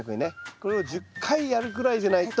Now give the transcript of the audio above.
これを１０回やるぐらいじゃないと。